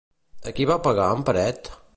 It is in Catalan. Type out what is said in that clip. A qui va pegar en Peret?